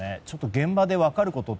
現場で分かること